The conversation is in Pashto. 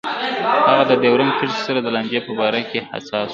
هغه د ډیورنډ کرښې د لانجې په باره کې حساس و.